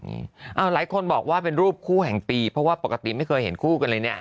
หลายคนบอกว่าเป็นรูปคู่แห่งปีเพราะว่าปกติไม่เคยเห็นคู่กันเลยเนี่ย